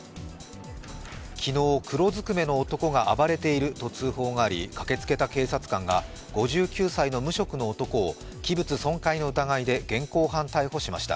昨日、黒ずくめの男が暴れていると通報があり、駆けつけた警察官が５９歳の無職の男を器物損壊の疑いで現行犯逮捕しました。